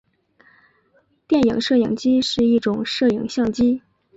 电影摄影机是一种摄影相机。